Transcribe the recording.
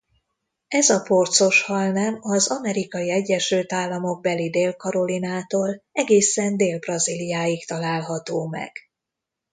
Ez a porcoshal-nem az Amerikai Egyesült Államokbeli Dél-Karolinától egészen Dél-Brazíliáig található meg.